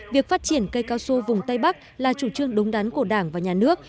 việc phát triển cây cao su vùng tây bắc là chủ trương đúng đắn của đảng và nhà nước